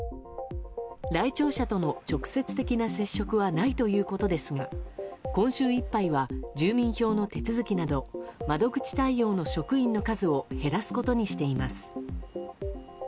来庁者との直接的な接触はないということですが今週いっぱいは住民票の手続きなど窓口対応の職員の数を減らすことにしています。